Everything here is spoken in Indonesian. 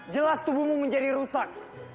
jelas tubuhmu menjadi rusak